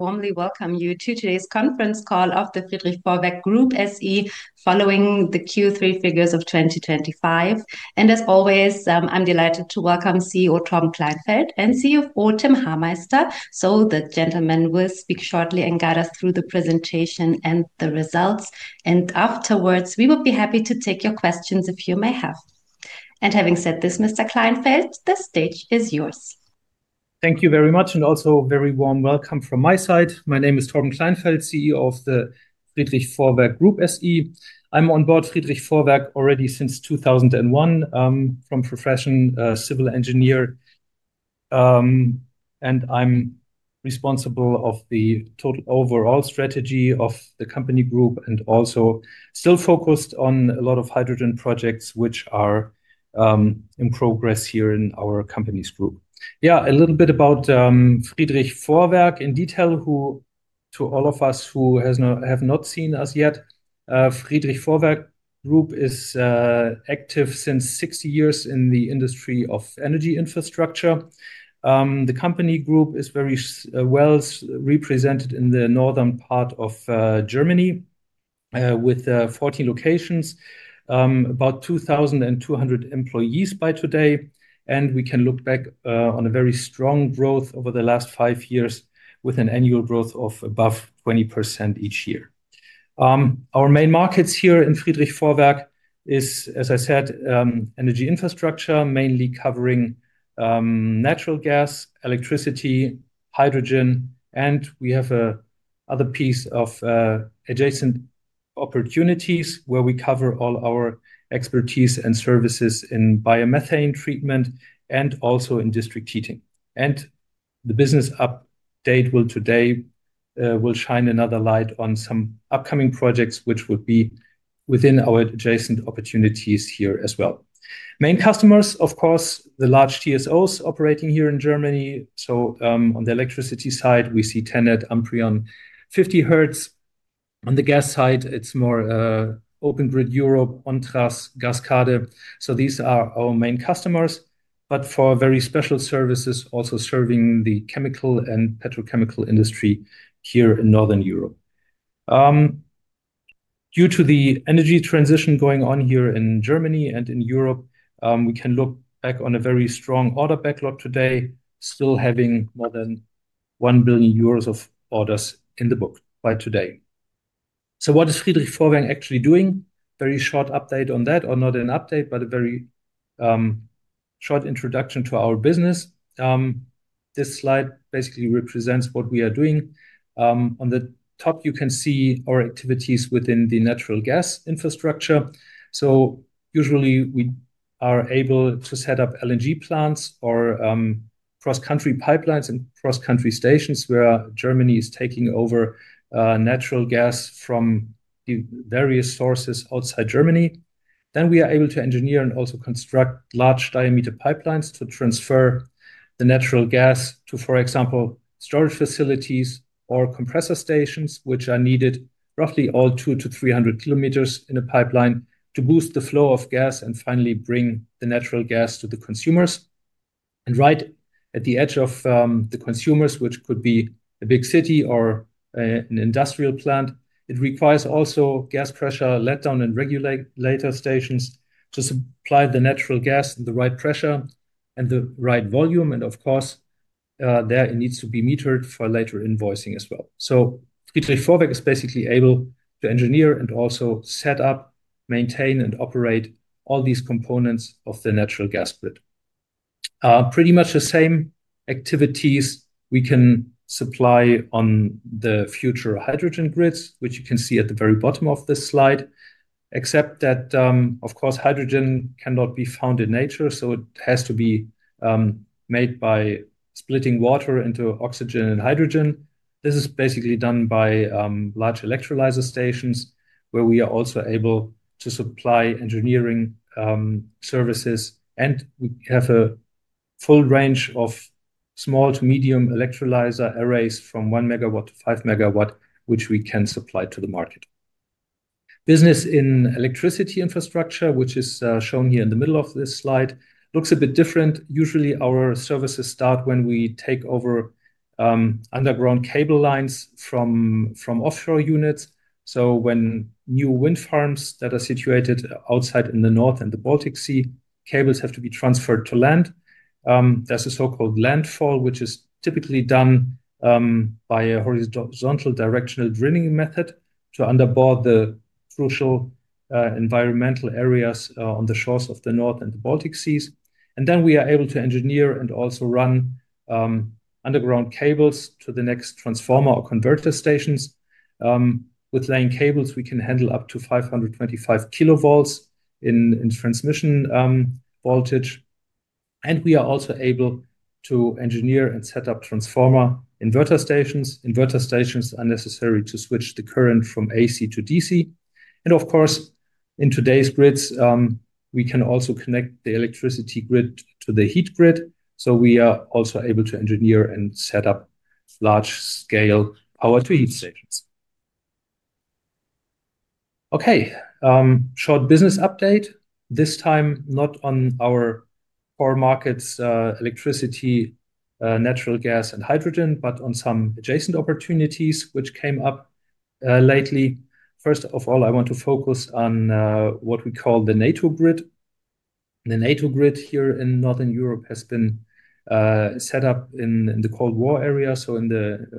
Warmly welcome you to today's conference call of the FRIEDRICH VORWERK Group SE following the Q3 figures of 2025. As always, I'm delighted to welcome CEO Tom Kleinfeldt and CFO Tim Hameister. The gentlemen will speak shortly and guide us through the presentation and the results. Afterwards, we would be happy to take your questions if you may have. Having said this, Mr. Kleinfeldt, the stage is yours. Thank you very much, and also a very warm welcome from my side. My name is Tom Kleinfeldt, CEO of the FRIEDRICH VORWERK Group SE. I'm on board FRIEDRICH VORWERK already since 2001 from profession, civil engineer. I am responsible for the total overall strategy of the company group and also still focused on a lot of hydrogen projects which are in progress here in our company's group. Yeah, a little bit about FRIEDRICH VORWERK in detail, who to all of us who have not seen us yet. FRIEDRICH VORWERK Group is active since 60 years in the industry of energy infrastructure. The company group is very well represented in the northern part of Germany with 14 locations, about 2,200 employees by today. We can look back on a very strong growth over the last five years with an annual growth of above 20% each year. Our main markets here in FRIEDRICH VORWERK is, as I said, energy infrastructure, mainly covering natural gas, electricity, hydrogen, and we have another piece of adjacent opportunities where we cover all our expertise and services in biomethane treatment and also in district heating. The business update will today shine another light on some upcoming projects which would be within our adjacent opportunities here as well. Main customers, of course, the large TSOs operating here in Germany. On the electricity side, we see TenneT, Amprion, 50Hertz. On the gas side, it is more Open Grid Europe, ONTRAS, GASCADE. These are our main customers. For very special services, also serving the chemical and petrochemical industry here in northern Europe. Due to the energy transition going on here in Germany and in Europe, we can look back on a very strong order backlog today, still having more than 1 billion euros of orders in the book by today. What is FRIEDRICH VORWERK actually doing? Very short update on that, or not an update, but a very short introduction to our business. This slide basically represents what we are doing. On the top, you can see our activities within the natural gas infrastructure. Usually, we are able to set up LNG plants or cross-country pipelines and cross-country stations where Germany is taking over natural gas from various sources outside Germany. We are able to engineer and also construct large diameter pipelines to transfer the natural gas to, for example, storage facilities or compressor stations, which are needed roughly every 200 km-300 km in a pipeline to boost the flow of gas and finally bring the natural gas to the consumers. Right at the edge of the consumers, which could be a big city or an industrial plant, it requires also gas pressure, letdown, and regulator stations to supply the natural gas at the right pressure and the right volume. Of course, there it needs to be metered for later invoicing as well. FRIEDRICH VORWERK is basically able to engineer and also set up, maintain, and operate all these components of the natural gas grid. Pretty much the same activities we can supply on the future hydrogen grids, which you can see at the very bottom of this slide, except that, of course, hydrogen cannot be found in nature, so it has to be made by splitting water into oxygen and hydrogen. This is basically done by large electrolyzer stations where we are also able to supply engineering services, and we have a full range of small to medium electrolyzer arrays from 1 MW-5 MW, which we can supply to the market. Business in electricity infrastructure, which is shown here in the middle of this slide, looks a bit different. Usually, our services start when we take over underground cable lines from offshore units. When new wind farms that are situated outside in the north and the Baltic Sea, cables have to be transferred to land. There's a so-called landfall, which is typically done by a horizontal directional drilling method to underbore the crucial environmental areas on the shores of the North and the Baltic Seas. We are able to engineer and also run underground cables to the next transformer or converter stations. With laying cables, we can handle up to 525 kV in transmission voltage. We are also able to engineer and set up transformer inverter stations. Inverter stations are necessary to switch the current from AC to DC. In today's grids, we can also connect the electricity grid to the heat grid. We are also able to engineer and set up large-scale power-to-heat stations. Okay, short business update. This time, not on our core markets, electricity, natural gas, and hydrogen, but on some adjacent opportunities which came up lately. First of all, I want to focus on what we call the NATO grid. The NATO grid here in northern Europe has been set up in the Cold War era, so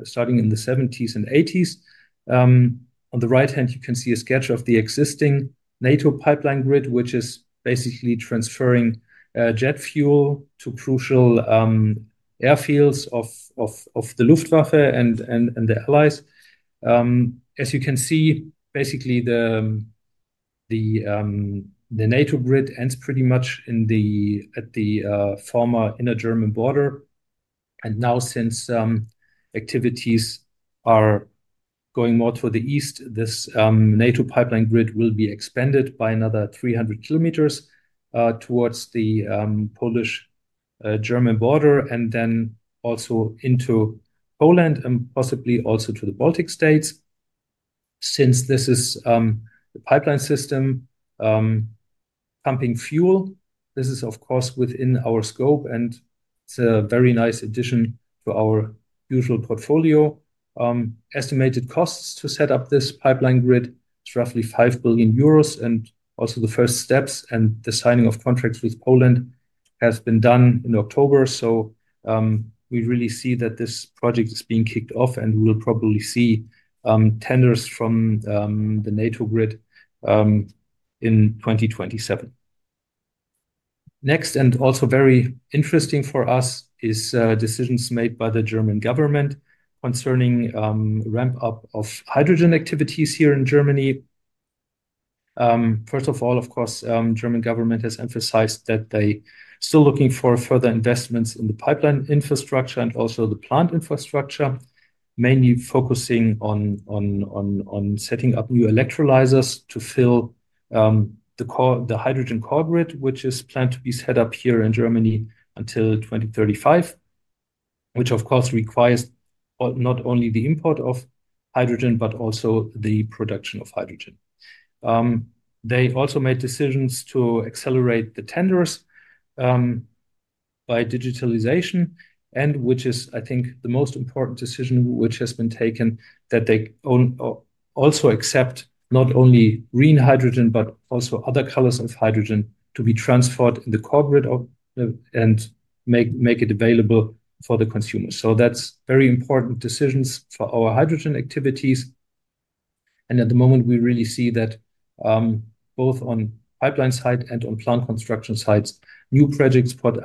starting in the 1970s and 1980s. On the right hand, you can see a sketch of the existing NATO pipeline grid, which is basically transferring jet fuel to crucial airfields of the Luftwaffe and the Allies. As you can see, basically, the NATO grid ends pretty much at the former inner German border. Now, since activities are going more to the east, this NATO pipeline grid will be expanded by another 300 km towards the Polish-German border and then also into Poland and possibly also to the Baltic States. Since this is the pipeline system pumping fuel, this is, of course, within our scope, and it's a very nice addition to our usual portfolio. Estimated costs to set up this pipeline grid is roughly 5 billion euros, and also the first steps and the signing of contracts with Poland have been done in October. We really see that this project is being kicked off, and we will probably see tenders from the NATO grid in 2027. Next, and also very interesting for us, is decisions made by the German government concerning ramp-up of hydrogen activities here in Germany. First of all, of course, the German government has emphasized that they are still looking for further investments in the pipeline infrastructure and also the plant infrastructure, mainly focusing on setting up new electrolyzers to fill the hydrogen core grid, which is planned to be set up here in Germany until 2035, which, of course, requires not only the import of hydrogen, but also the production of hydrogen. They also made decisions to accelerate the tenders by digitalization, and which is, I think, the most important decision which has been taken, that they also accept not only green hydrogen, but also other colors of hydrogen to be transferred in the core grid and make it available for the consumers. That is very important decisions for our hydrogen activities. At the moment, we really see that both on the pipeline side and on plant construction sides, new projects pop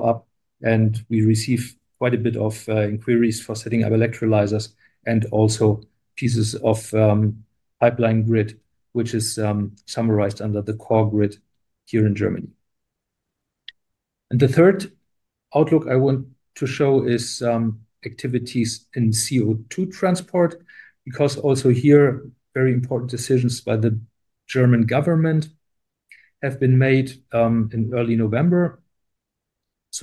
up, and we receive quite a bit of inquiries for setting up electrolyzers and also pieces of pipeline grid, which is summarized under the core grid here in Germany. The third outlook I want to show is activities in CO2 transport because also here, very important decisions by the German government have been made in early November.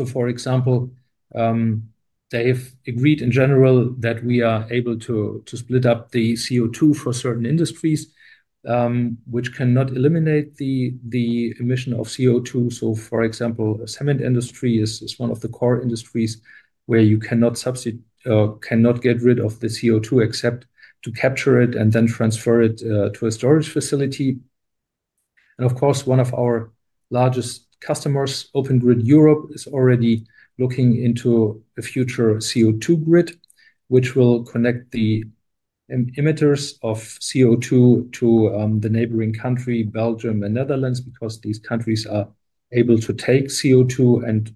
For example, they have agreed in general that we are able to split up the CO2 for certain industries, which cannot eliminate the emission of CO2. For example, the cement industry is one of the core industries where you cannot get rid of the CO2 except to capture it and then transfer it to a storage facility. Of course, one of our largest customers, Open Grid Europe, is already looking into a future CO2 grid, which will connect the emitters of CO2 to the neighboring country, Belgium and Netherlands, because these countries are able to take CO2 and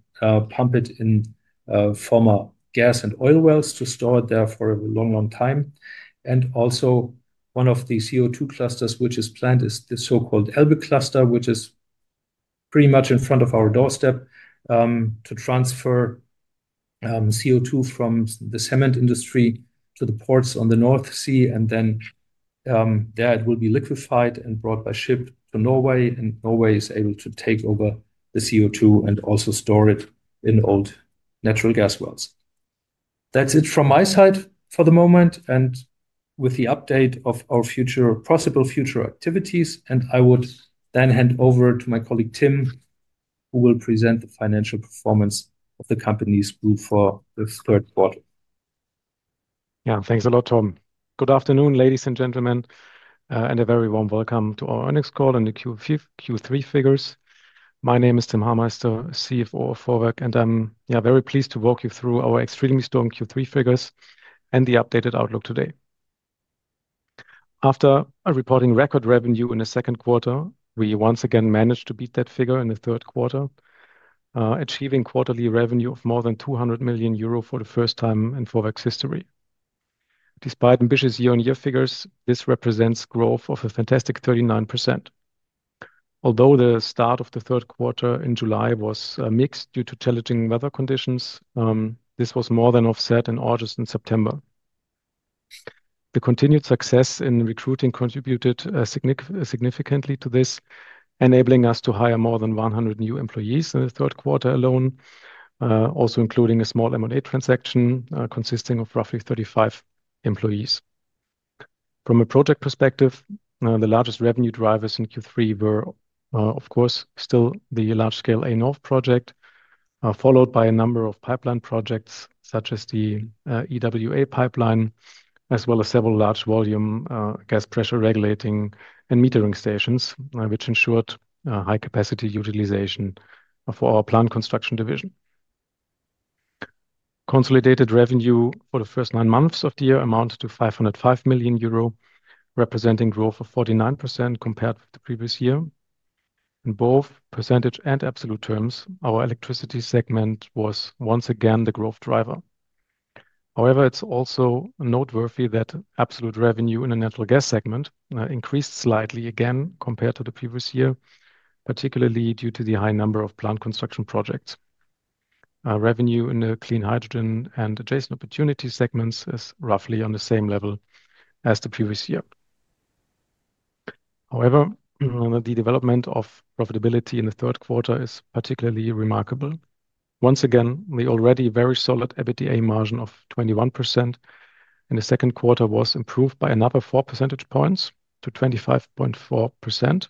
pump it in former gas and oil wells to store it there for a long, long time. Also, one of the CO2 clusters which is planned is the so-called ELBE cluster, which is pretty much in front of our doorstep to transfer CO2 from the cement industry to the ports on the North Sea. There it will be liquefied and brought by ship to Norway, and Norway is able to take over the CO2 and also store it in old natural gas wells. That's it from my side for the moment with the update of our possible future activities. I would then hand over to my colleague Tim, who will present the financial performance of the company's group for the third quarter. Yeah, thanks a lot, Tom. Good afternoon, ladies and gentlemen, and a very warm welcome to our earnings call and the Q3 figures. My name is Tim Hameister, CFO of Vorwerk, and I'm very pleased to walk you through our extremely strong Q3 figures and the updated outlook today. After reporting record revenue in the second quarter, we once again managed to beat that figure in the third quarter, achieving quarterly revenue of more than 200 million euro for the first time in Vorwerk's history. Despite ambitious year-on-year figures, this represents growth of a fantastic 39%. Although the start of the third quarter in July was mixed due to challenging weather conditions, this was more than offset in August and September. The continued success in recruiting contributed significantly to this, enabling us to hire more than 100 new employees in the third quarter alone, also including a small M&A transaction consisting of roughly 35 employees. From a project perspective, the largest revenue drivers in Q3 were, of course, still the large-scale A-Nord project, followed by a number of pipeline projects such as the EWA pipeline, as well as several large-volume gas pressure regulating and metering stations, which ensured high-capacity utilization for our plant construction division. Consolidated revenue for the first nine months of the year amounted to 505 million euro, representing growth of 49% compared with the previous year. In both percentage and absolute terms, our electricity segment was once again the growth driver. However, it is also noteworthy that absolute revenue in the natural gas segment increased slightly again compared to the previous year, particularly due to the high number of plant construction projects. Revenue in the clean hydrogen and adjacent opportunity segments is roughly on the same level as the previous year. However, the development of profitability in the third quarter is particularly remarkable. Once again, the already very solid EBITDA margin of 21% in the second quarter was improved by another 4 percentage points to 25.4%.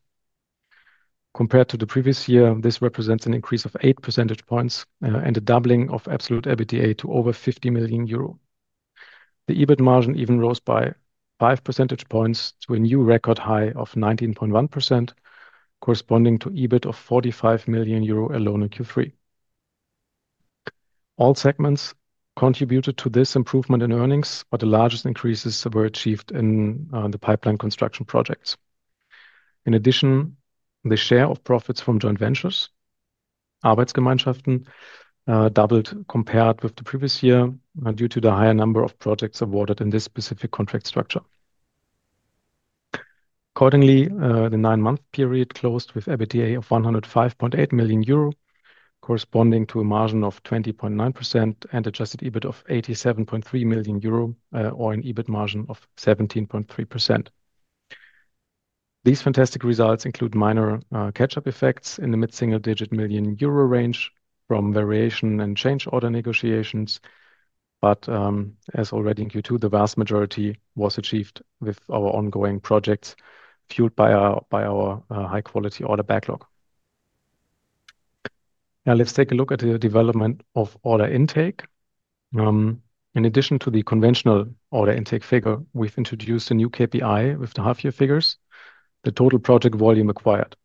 Compared to the previous year, this represents an increase of 8 percentage points and a doubling of absolute EBITDA to over 50 million euro. The EBIT margin even rose by 5 percentage points to a new record high of 19.1%, corresponding to EBIT of 45 million euro alone in Q3. All segments contributed to this improvement in earnings, but the largest increases were achieved in the pipeline construction projects. In addition, the share of profits from joint ventures, Arbeitsgemeinschaften, doubled compared with the previous year due to the higher number of projects awarded in this specific contract structure. Accordingly, the nine-month period closed with EBITDA of 105.8 million euro, corresponding to a margin of 20.9% and adjusted EBIT of 87.3 million euro or an EBIT margin of 17.3%. These fantastic results include minor catch-up effects in the mid-single-digit million euro range from variation and change order negotiations. As already in Q2, the vast majority was achieved with our ongoing projects fueled by our high-quality order backlog. Now, let's take a look at the development of order intake. In addition to the conventional order intake figure, we've introduced a new KPI with the half-year figures, the total project volume acquired.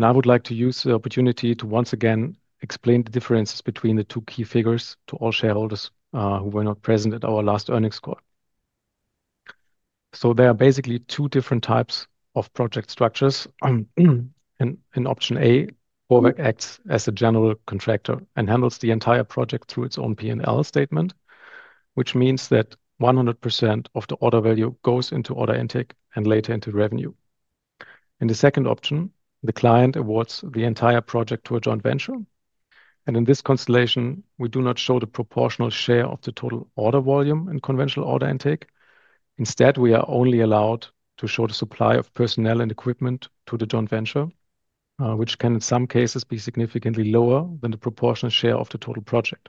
I would like to use the opportunity to once again explain the differences between the two key figures to all shareholders who were not present at our last earnings call. There are basically two different types of project structures. In option A, Vorwerk acts as a general contractor and handles the entire project through its own P&L statement, which means that 100% of the order value goes into order intake and later into revenue. In the second option, the client awards the entire project to a joint venture. In this constellation, we do not show the proportional share of the total order volume in conventional order intake. Instead, we are only allowed to show the supply of personnel and equipment to the joint venture, which can in some cases be significantly lower than the proportional share of the total project.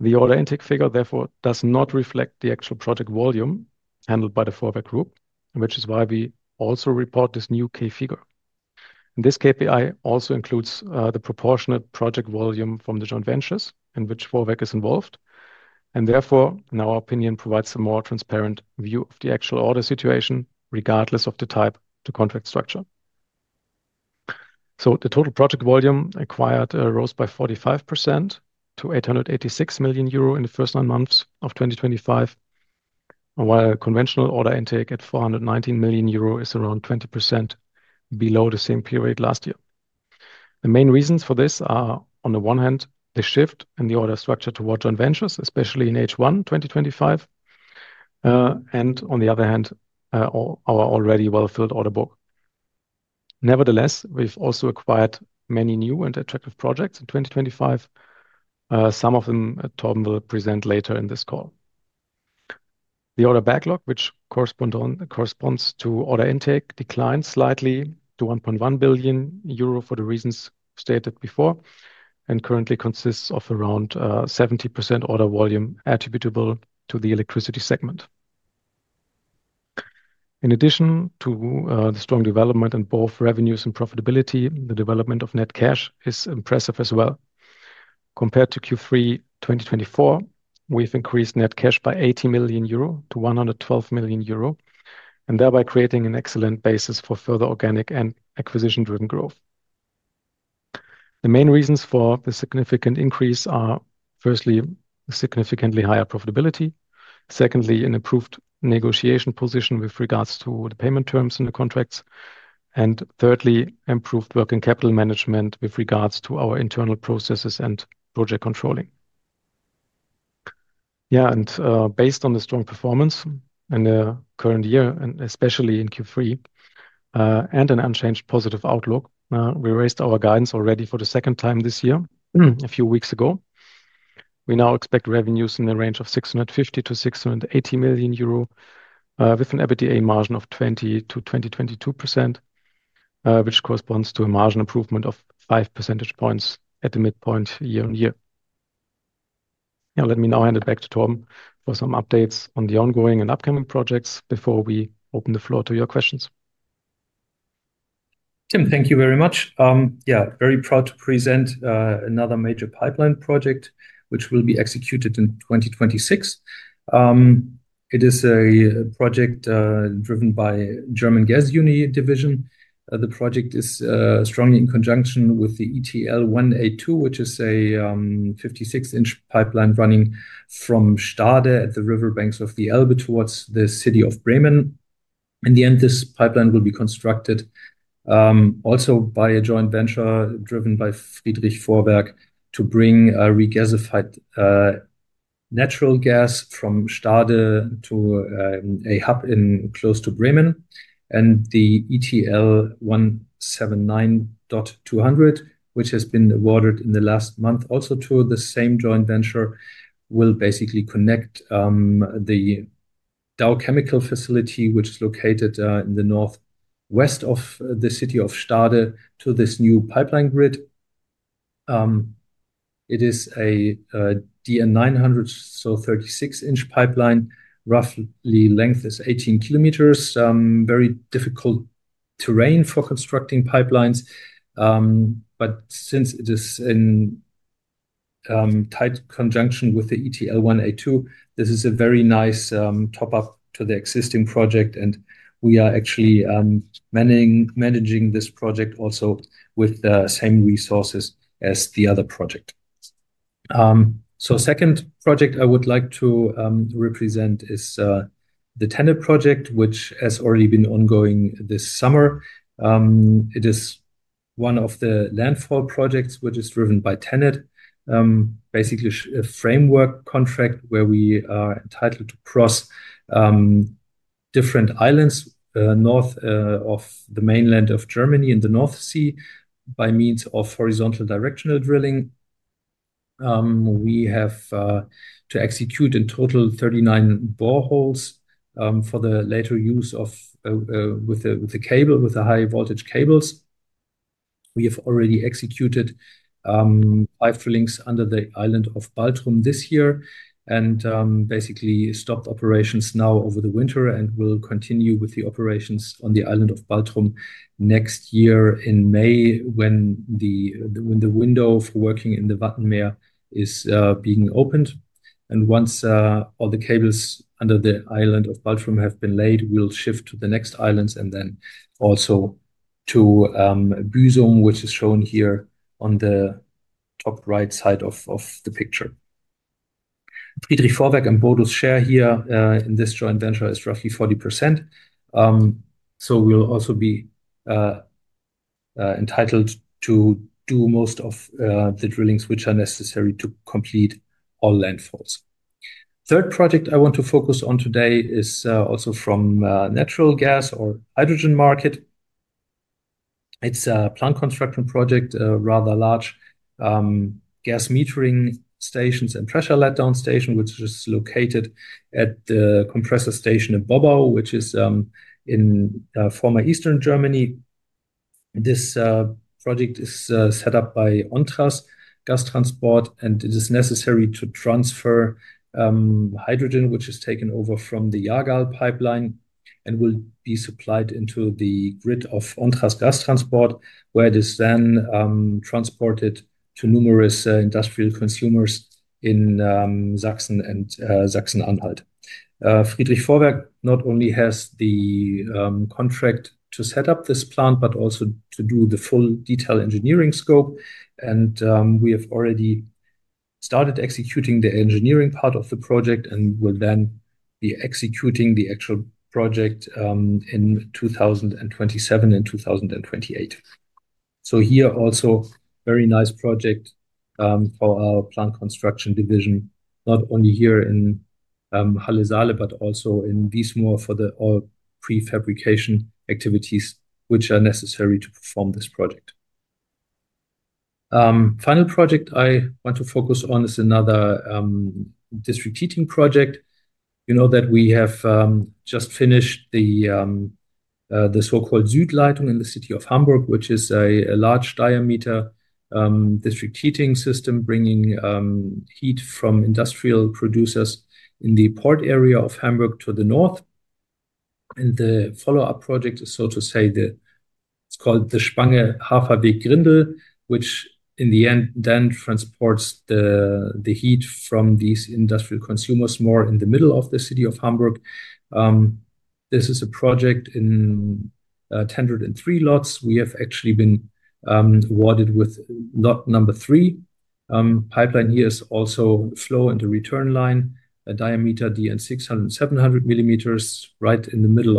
The order intake figure, therefore, does not reflect the actual project volume handled by the Vorwerk Group, which is why we also report this new K figure. This KPI also includes the proportionate project volume from the joint ventures in which Vorwerk is involved and therefore, in our opinion, provides a more transparent view of the actual order situation regardless of the type of contract structure. The total project volume acquired rose by 45% to 886 million euro in the first nine months of 2025, while conventional order intake at 419 million euro is around 20% below the same period last year. The main reasons for this are, on the one hand, the shift in the order structure toward joint ventures, especially in H1 2025, and on the other hand, our already well-filled order book. Nevertheless, we've also acquired many new and attractive projects in 2025. Some of them, Tom will present later in this call. The order backlog, which corresponds to order intake, declined slightly to 1.1 billion euro for the reasons stated before and currently consists of around 70% order volume attributable to the electricity segment. In addition to the strong development in both revenues and profitability, the development of net cash is impressive as well. Compared to Q3 2024, we've increased net cash by 80 million euro to 112 million euro and thereby creating an excellent basis for further organic and acquisition-driven growth. The main reasons for the significant increase are, firstly, significantly higher profitability. Secondly, an improved negotiation position with regards to the payment terms in the contracts. Thirdly, improved working capital management with regards to our internal processes and project controlling. Yeah, and based on the strong performance in the current year, and especially in Q3, and an unchanged positive outlook, we raised our guidance already for the second time this year, a few weeks ago. We now expect revenues in the range of 650 million-680 million euro with an EBITDA margin of 20%-22%, which corresponds to a margin improvement of five percentage points at the midpoint year-on-year. Yeah, let me now hand it back to Tom for some updates on the ongoing and upcoming projects before we open the floor to your questions. Tim, thank you very much. Yeah, very proud to present another major pipeline project, which will be executed in 2026. It is a project driven by the German Gasunie division. The project is strongly in conjunction with the ETL 182, which is a 56-inch pipeline running from Stade at the riverbanks of the Elbe towards the city of Bremen. In the end, this pipeline will be constructed also by a joint venture driven by FRIEDRICH VORWERK to bring regasified natural gas from Stade to a hub close to Bremen and the ETL 179.200, which has been awarded in the last month also to the same joint venture, will basically connect the Dow Chemical facility, which is located in the northwest of the city of Stade, to this new pipeline grid. It is a DN 900, so 36-inch pipeline. Roughly length is 18 km. Very difficult terrain for constructing pipelines. Since it is in tight conjunction with the ETL 182, this is a very nice top-up to the existing project, and we are actually managing this project also with the same resources as the other project. The second project I would like to represent is the TenneT project, which has already been ongoing this summer. It is one of the landfall projects which is driven by TenneT, basically a framework contract where we are entitled to cross different islands north of the mainland of Germany in the North Sea by means of horizontal directional drilling. We have to execute in total 39 boreholes for the later use with the cable, with the high-voltage cables. We have already executed pipe drillings under the island of Baltrum this year and basically stopped operations now over the winter and will continue with the operations on the island of Baltrum next year in May when the window for working in the Wattenmeer is being opened. Once all the cables under the island of Baltrum have been laid, we'll shift to the next islands and then also to Büsum, which is shown here on the top right side of the picture. FRIEDRICH VORWERK and [Borudus] share here in this joint venture is roughly 40%. We'll also be entitled to do most of the drillings which are necessary to complete all landfalls. The third project I want to focus on today is also from natural gas or hydrogen market. It's a plant construction project, a rather large gas metering stations and pressure letdown station, which is located at the compressor station in Bobbau, which is in former Eastern Germany. This project is set up by ONTRAS Gastransport, and it is necessary to transfer hydrogen, which is taken over from the JAGAL pipeline and will be supplied into the grid of ONTRAS Gastransport, where it is then transported to numerous industrial consumers in Sachsen and Sachsen-Anhalt. FRIEDRICH VORWERK not only has the contract to set up this plant, but also to do the full detail engineering scope. We have already started executing the engineering part of the project and will then be executing the actual project in 2027 and 2028. Here also a very nice project for our plant construction division, not only here in Halle (Saale), but also in Wiesmoor for all prefabrication activities which are necessary to perform this project. The final project I want to focus on is another district heating project. You know that we have just finished the so-called Südleitung in the city of Hamburg, which is a large diameter district heating system bringing heat from industrial producers in the port area of Hamburg to the north. The follow-up project is, so to say, it's called the Spange Haferweg-Grindel, which in the end then transports the heat from these industrial consumers more in the middle of the city of Hamburg. This is a project in 103 lots. We have actually been awarded with lot number three. The pipeline here is also flow in the return line, a diameter DN 600 mm-700 mm right in the middle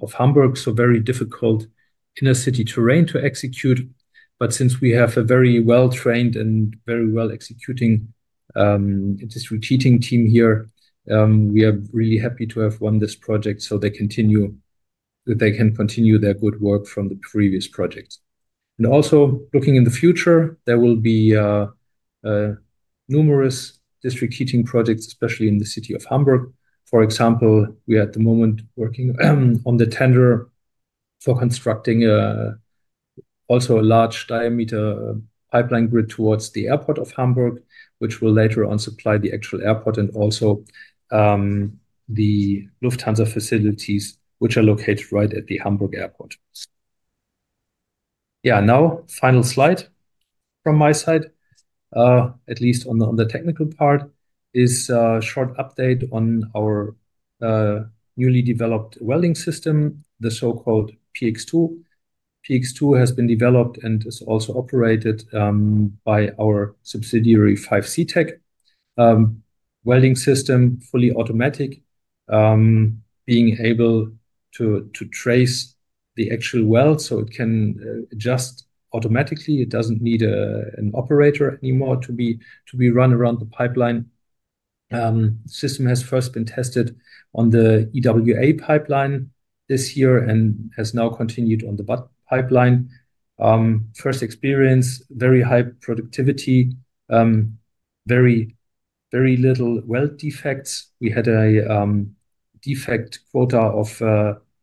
of Hamburg. Very difficult inner-city terrain to execute. Since we have a very well-trained and very well-executing district heating team here, we are really happy to have won this project so they can continue their good work from the previous projects. Also looking in the future, there will be numerous district heating projects, especially in the city of Hamburg. For example, we are at the moment working on the tender for constructing also a large diameter pipeline grid towards the airport of Hamburg, which will later on supply the actual airport and also the Lufthansa facilities, which are located right at the Hamburg airport. Yeah, now final slide from my side, at least on the technical part, is a short update on our newly developed welding system, the so-called PX‑II. PX‑II has been developed and is also operated by our subsidiary 5C-Tech welding system, fully automatic, being able to trace the actual weld so it can adjust automatically. It does not need an operator anymore to be run around the pipeline. The system has first been tested on the EWA pipeline this year and has now continued on the BUTT pipeline. First experience, very high productivity, very little weld defects. We had a defect quota of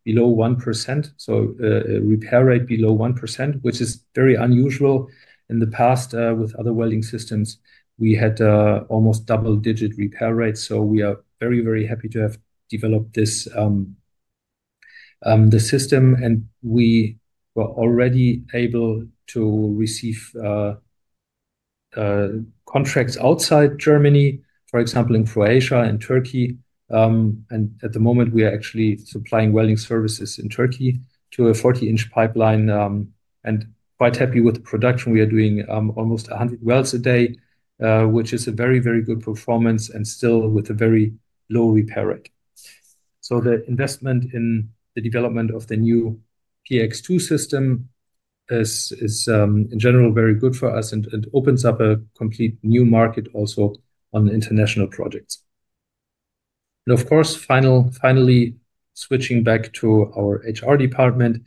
below 1%, so a repair rate below 1%, which is very unusual. In the past, with other welding systems, we had almost double-digit repair rates. We are very, very happy to have developed the system, and we were already able to receive contracts outside Germany, for example, in Croatia, in Turkey. At the moment, we are actually supplying welding services in Turkey to a 40-inch pipeline and quite happy with the production. We are doing almost 100 welds a day, which is a very, very good performance and still with a very low repair rate. The investment in the development of the new PX‑II system is, in general, very good for us and opens up a complete new market also on international projects. Of course, finally switching back to our HR department,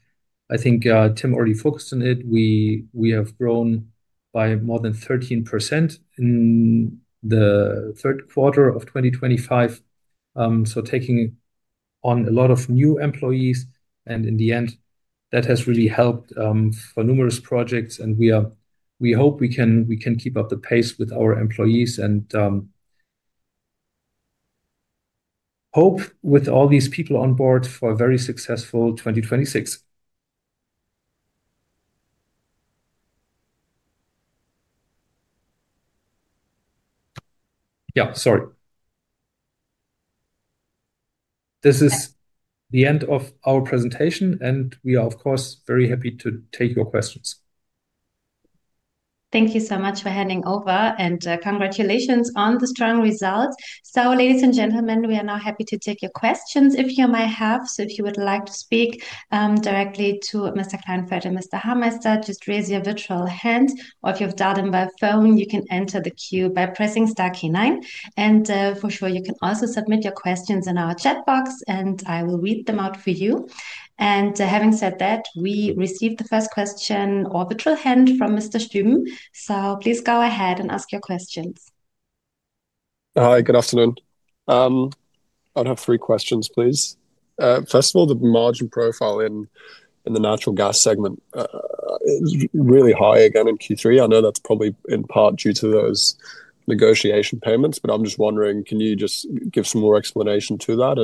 I think Tim already focused on it. We have grown by more than 13% in the third quarter of 2025. Taking on a lot of new employees, and in the end, that has really helped for numerous projects. We hope we can keep up the pace with our employees and hope with all these people on board for a very successful 2026. Yeah, sorry. This is the end of our presentation, and we are, of course, very happy to take your questions. Thank you so much for handing over, and congratulations on the strong results. Ladies and gentlemen, we are now happy to take your questions if you might have. If you would like to speak directly to Mr. Kleinfeldt and Mr. Hameister, just raise your virtual hand. If you have done it by phone, you can enter the queue by pressing star key nine. For sure, you can also submit your questions in our chat box, and I will read them out for you. Having said that, we received the first question or virtual hand from Mr. Stüben. Please go ahead and ask your questions. Hi, good afternoon. I'd have three questions, please. First of all, the margin profile in the natural gas segment is really high again in Q3. I know that's probably in part due to those negotiation payments, but I'm just wondering, can you just give some more explanation to that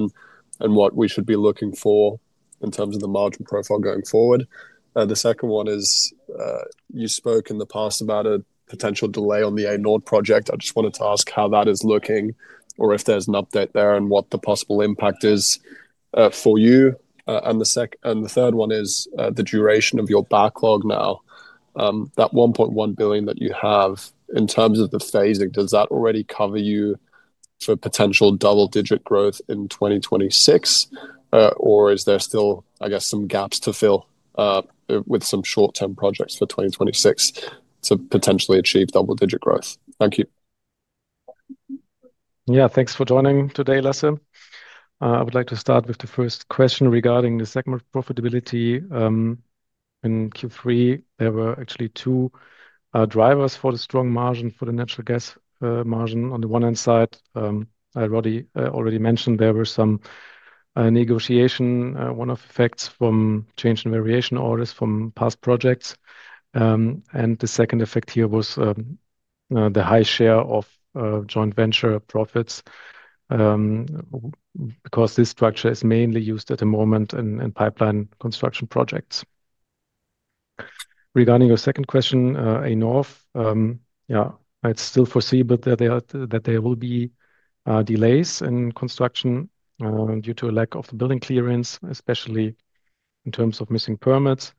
and what we should be looking for in terms of the margin profile going forward? The second one is you spoke in the past about a potential delay on the A-Nord project. I just wanted to ask how that is looking or if there's an update there and what the possible impact is for you. The third one is the duration of your backlog now. That 1.1 billion that you have in terms of the phasing, does that already cover you for potential double-digit growth in 2026? Or is there still, I guess, some gaps to fill with some short-term projects for 2026 to potentially achieve double-digit growth? Thank you. Yeah, thanks for joining today, Lasse. I would like to start with the first question regarding the segment profitability. In Q3, there were actually two drivers for the strong margin for the natural gas margin. On the one hand side, I already mentioned there were some negotiations, one of the effects from change and variation orders from past projects. The second effect here was the high share of joint venture profits because this structure is mainly used at the moment in pipeline construction projects. Regarding your second question, A-Nord, yeah, it is still foreseeable that there will be delays in construction due to a lack of the building clearance, especially in terms of missing permits.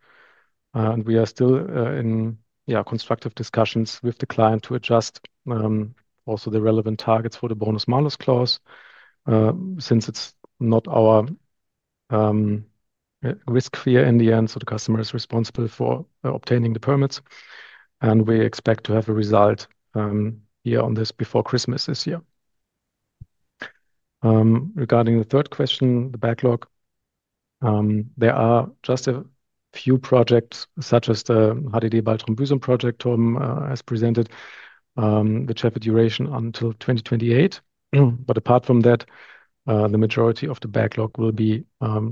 We are still in constructive discussions with the client to adjust also the relevant targets for the bonus-minus clause since it is not our risk here in the end. The customer is responsible for obtaining the permits, and we expect to have a result here on this before Christmas this year. Regarding the third question, the backlog, there are just a few projects such as the HDD Baltrum-Büsum project Tom has presented, which have a duration until 2028. Apart from that, the majority of the backlog will be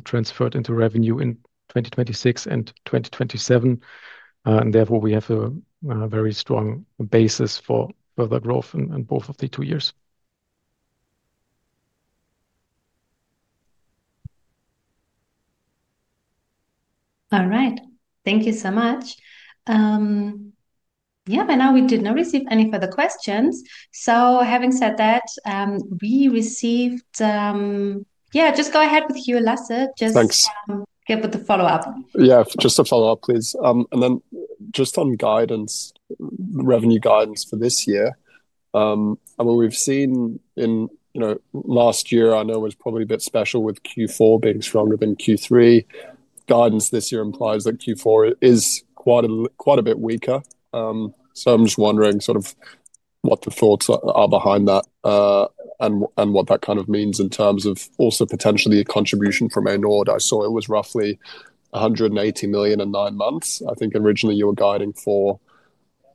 transferred into revenue in 2026 and 2027. Therefore, we have a very strong basis for further growth in both of the two years. All right. Thank you so much. Yeah, now we did not receive any further questions. Having said that, we received, yeah, just go ahead with you, Lasse, just get with the follow-up. Yeah, just a follow-up, please. And then just on guidance, revenue guidance for this year, I mean, we've seen in last year, I know it was probably a bit special with Q4 being stronger than Q3. Guidance this year implies that Q4 is quite a bit weaker. So I'm just wondering sort of what the thoughts are behind that and what that kind of means in terms of also potentially a contribution from A-Nord. I saw it was roughly 180 million in nine months. I think originally you were guiding for,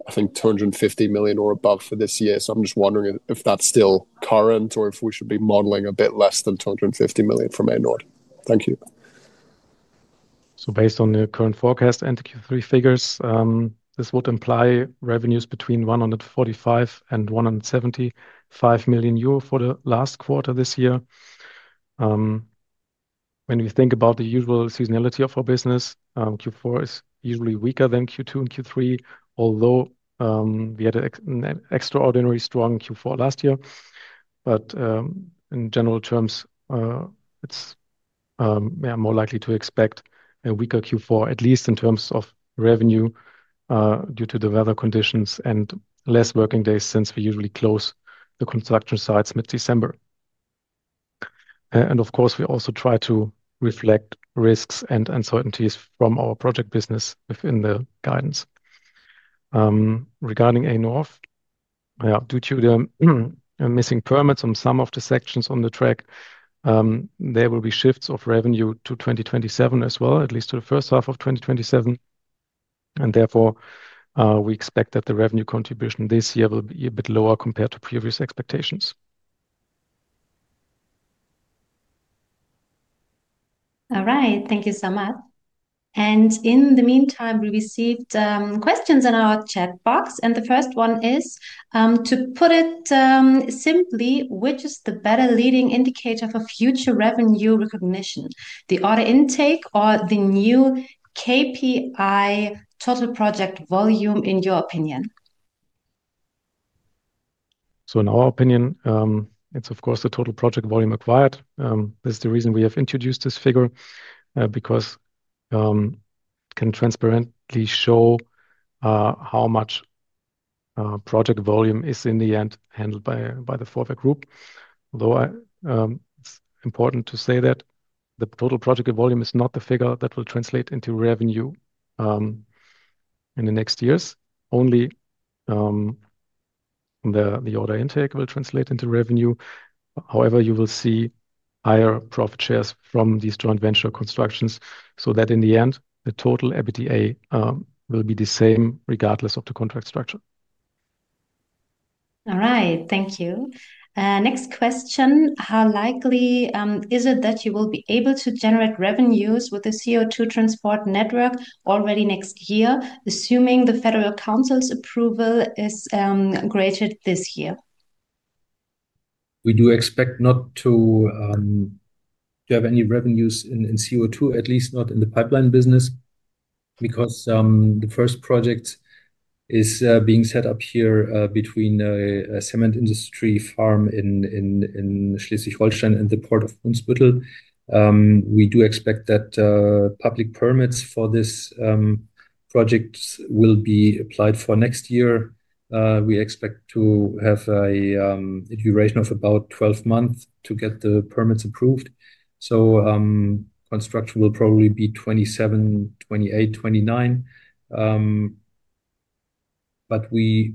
I think, 250 million or above for this year. So I'm just wondering if that's still current or if we should be modeling a bit less than 250 million from A-Nord. Thank you. Based on the current forecast and the Q3 figures, this would imply revenues between 145 million-175 million euro for the last quarter this year. When we think about the usual seasonality of our business, Q4 is usually weaker than Q2 and Q3, although we had an extraordinarily strong Q4 last year. In general terms, it is more likely to expect a weaker Q4, at least in terms of revenue due to the weather conditions and fewer working days since we usually close the construction sites mid-December. Of course, we also try to reflect risks and uncertainties from our project business within the guidance. Regarding A-Nord, due to the missing permits on some of the sections on the track, there will be shifts of revenue to 2027 as well, at least to the first half of 2027. Therefore, we expect that the revenue contribution this year will be a bit lower compared to previous expectations. All right. Thank you so much. In the meantime, we received questions in our chat box. The first one is, to put it simply, which is the better leading indicator for future revenue recognition, the order intake or the new KPI total project volume, in your opinion? In our opinion, it's of course the total project volume acquired. This is the reason we have introduced this figure because it can transparently show how much project volume is in the end handled by the Vorwerk Group. Although it's important to say that the total project volume is not the figure that will translate into revenue in the next years. Only the order intake will translate into revenue. However, you will see higher profit shares from these joint venture constructions so that in the end, the total EBITDA will be the same regardless of the contract structure. All right. Thank you. Next question, how likely is it that you will be able to generate revenues with the CO2 transport network already next year, assuming the Federal Council's approval is granted this year? We do expect not to have any revenues in CO2, at least not in the pipeline business, because the first project is being set up here between a cement industry farm in Schleswig-Holstein and the port of Brunsbüttel. We do expect that public permits for this project will be applied for next year. We expect to have a duration of about 12 months to get the permits approved. Construction will probably be 2027, 2028, 2029. We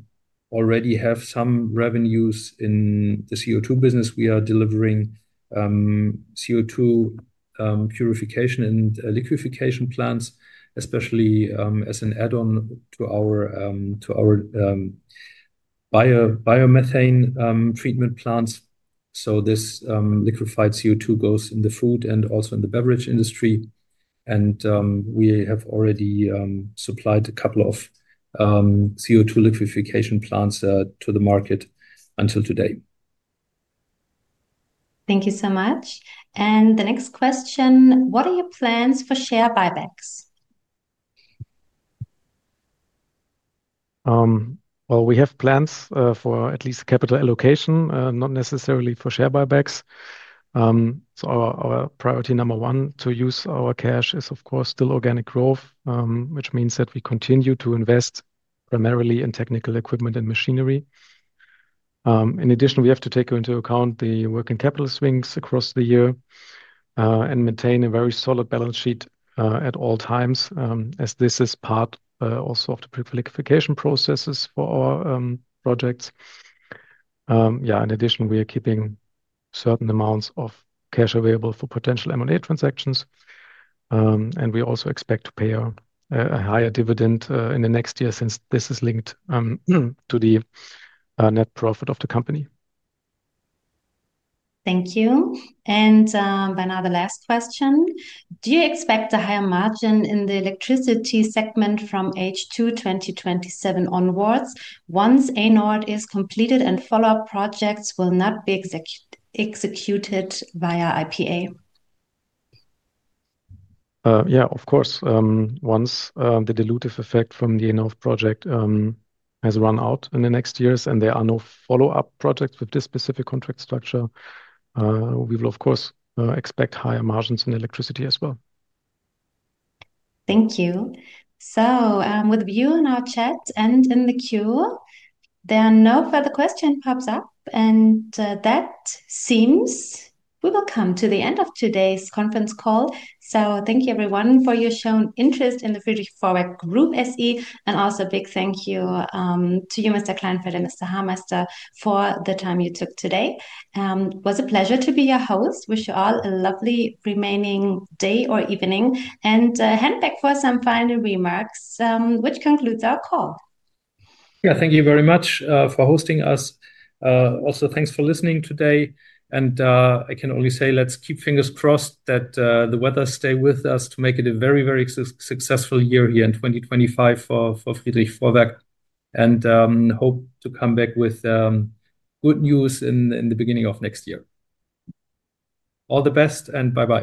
already have some revenues in the CO2 business. We are delivering CO2 purification and liquefaction plants, especially as an add-on to our biomethane treatment plants. This liquefied CO2 goes in the food and also in the beverage industry. We have already supplied a couple of CO2 liquefaction plants to the market until today. Thank you so much. The next question, what are your plans for share buybacks? We have plans for at least capital allocation, not necessarily for share buybacks. Our priority number one to use our cash is, of course, still organic growth, which means that we continue to invest primarily in technical equipment and machinery. In addition, we have to take into account the working capital swings across the year and maintain a very solid balance sheet at all times, as this is part also of the liquefaction processes for our projects. Yeah, in addition, we are keeping certain amounts of cash available for potential M&A transactions. We also expect to pay a higher dividend in the next year since this is linked to the net profit of the company. Thank you. Another last question, do you expect a higher margin in the electricity segment from H2 2027 onwards once A-Nord is completed and follow-up projects will not be executed via IPA? Yeah, of course. Once the dilutive effect from the A-Nord project has run out in the next years and there are no follow-up projects with this specific contract structure, we will, of course, expect higher margins in electricity as well. Thank you. With you in our chat and in the queue, there are no further questions pops up. That seems we will come to the end of today's conference call. Thank you, everyone, for your shown interest in the FRIEDRICH VORWERK Group SE. Also a big thank you to you, Mr. Kleinfeldt and Mr. Hameister, for the time you took today. It was a pleasure to be your host. Wish you all a lovely remaining day or evening. I hand back for some final remarks, which concludes our call. Yeah, thank you very much for hosting us. Also, thanks for listening today. I can only say, let's keep fingers crossed that the weather stays with us to make it a very, very successful year here in 2025 for FRIEDRICH VORWERK. I hope to come back with good news in the beginning of next year. All the best and bye-bye.